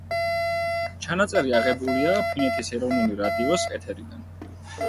ჩანაწერი აღებულია ფინეთის ეროვნული რადიოს ეთერიდან.